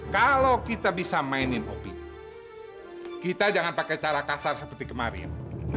kalau kita bisa mainin hobi kita jangan pakai cara kasar seperti kemarin